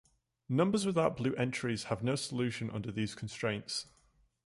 Numbers without blue entries have no solution under these constraints.